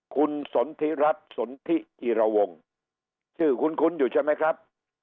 คุณสนทิรัฐสนทิจิระวงชื่อคุ้นอยู่ใช่ไหมครับ